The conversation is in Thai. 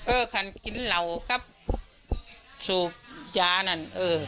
เอ้อครั้งกินเล่าก็สูงยากนั่น